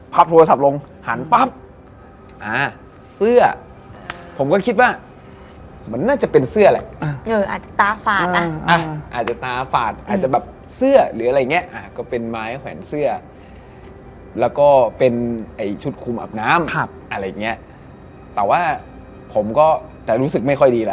พอเราไปเอาหนังสือเสร็จไม่ไม่มันดึก